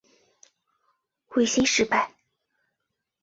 维新事败。